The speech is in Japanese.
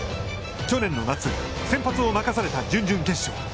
去年の夏、先発を任された準々決勝。